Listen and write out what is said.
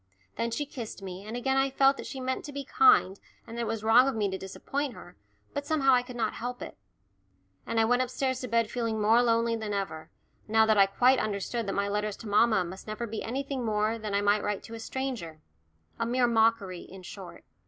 Then she kissed me, and again I felt that she meant to be kind and that it was wrong of me to disappoint her, but somehow I could not help it. And I went upstairs to bed feeling more lonely than ever, now that I quite understood that my letters to mamma must never be anything more than I might write to a stranger a mere mockery, in short.